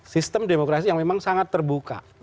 sistem demokrasi yang memang sangat terbuka